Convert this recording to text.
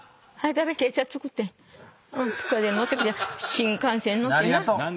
新幹線乗ってな。